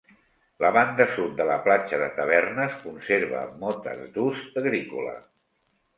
La banda sud de la platja de Tavernes conserva motes d'ús agrícola.